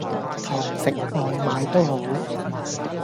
堂食外賣都好